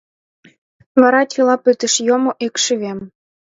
Вара чыла пытыш, йомо икшывем...